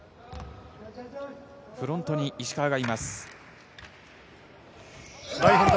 フロントに石川がいます。